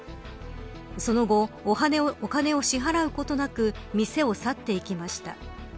その後、お金を支払うことなく店を去っていきました。